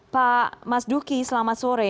pak mas duki selamat sore